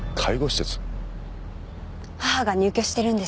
母が入居してるんです。